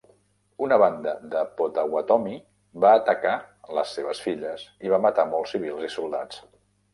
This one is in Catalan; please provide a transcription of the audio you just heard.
Una banda de potawatomi va atacar les seves files i va matar molts civils i soldats.